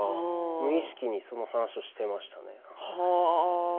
無意識にその話をしていました。